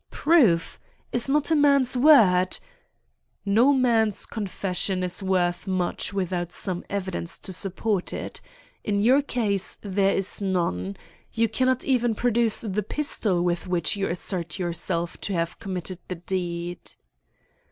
"Proof? Is not a man's word——" "No man's confession is worth much without some evidence to support it. In your case there is none. You cannot even produce the pistol with which you assert yourself to have committed the deed."